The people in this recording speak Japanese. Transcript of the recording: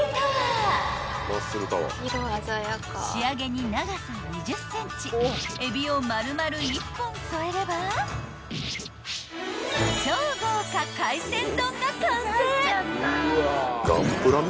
［仕上げに長さ２０ｃｍエビを丸々１本添えれば超豪華海鮮丼が完成！］